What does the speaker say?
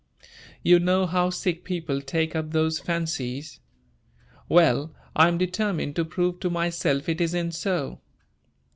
You know how sick people take up those fancies. Well, I am determined to prove to myself it isn't so.